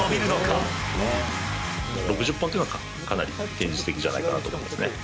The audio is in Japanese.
６０本っていうのは、かなり現実的じゃないかなと思いますね。